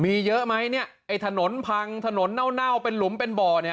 มีเยอะไหมเนี่ยไอ้ถนนพังถนนเน่าเป็นหลุมเป็นบ่อเนี่ย